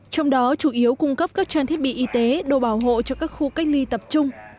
trong đó chủ yếu cung cấp các trang thiết bị y tế đồ bảo hộ cho các khu cách ly tập trung